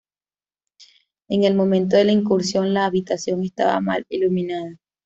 En el momento de la incursión, la habitación estaba mal iluminada.